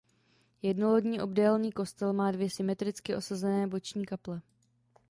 Jednolodní obdélný kostel má dvě symetricky osazené boční kaple.